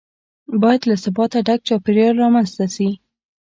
باید له ثباته ډک چاپیریال رامنځته شي.